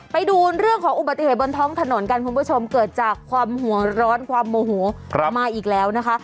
ไปดูเรื่องของอุบัติเหตุบนท้องถนนกันคุณผู้ชมเกิดจากความหัวร้อนความโมโหมาอีกแล้วนะคะ